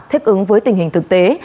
thích ứng với tình hình thực tế